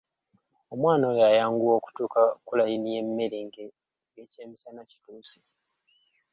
Omwana oyo ayanguwa okutuuka ku layini y'emmere ng'ekyemisana kituuse.